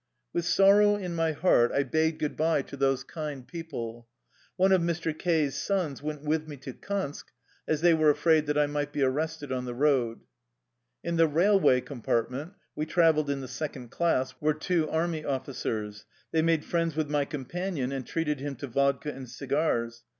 With sorrow in my heart I bade good by to 111 THE LIFE STOEY OF A RUSSIAN EXILE those kind people. One of Mr. К 's sons went with me to Kansk, as they were afraid that I might be arrested on the road. In the railway compartment — we traveled in the second class — were two army officers. They made friends with my companion and treated him to vodka and cigars.